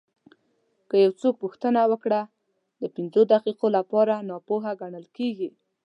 که یو څوک پوښتنه وکړي د پنځو دقیقو لپاره ناپوه ګڼل کېږي.